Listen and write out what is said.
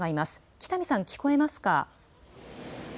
北見さん、聞こえますか。